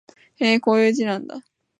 へえ、こういう字なんだ